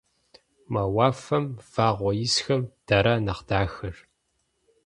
Мо уафэм вагъуэ исхэм дара нэхъ дахэр?